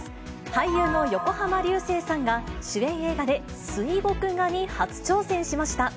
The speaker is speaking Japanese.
俳優の横浜流星さんが、主演映画で水墨画に初挑戦しました。